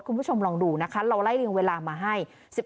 คุณผู้ชมลองดูนะคะเราไล่เรียงเวลามาให้